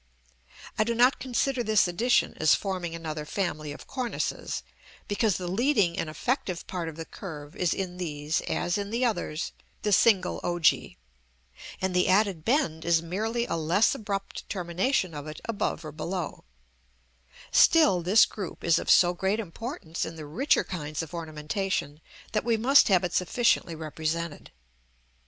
I do not consider this addition as forming another family of cornices, because the leading and effective part of the curve is in these, as in the others, the single ogee; and the added bend is merely a less abrupt termination of it above or below: still this group is of so great importance in the richer kinds of ornamentation that we must have it sufficiently represented.